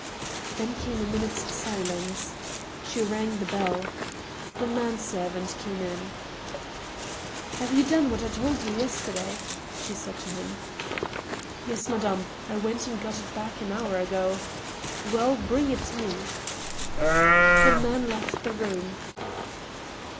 Then came a minute's silence. She rang the bell. The man servant came in. " Have you done what I told you yesterday ?" she said to him. •* Yes, madame ; I went and got it back an hour ago." WeU! Bring it me." The man left the room.